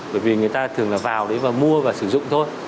bởi vì người ta thường là vào đấy và mua và sử dụng thôi